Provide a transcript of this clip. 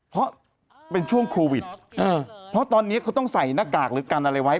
เพราะเป็นช่วงโควิดเพราะตอนนี้เขาต้องใส่หน้ากากหรือกันอะไรไว้